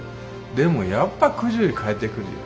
でもやっぱくじゅうに帰ってくるよ。